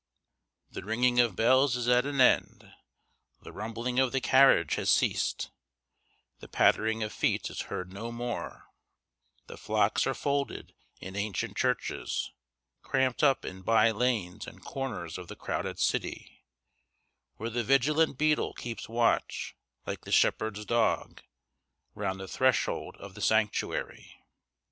The ringing of bells is at an end; the rumbling of the carriage has ceased; the pattering of feet is heard no more; the flocks are folded in ancient churches, cramped up in by lanes and corners of the crowded city, where the vigilant beadle keeps watch, like the shepherd's dog, round the threshold of the sanctuary.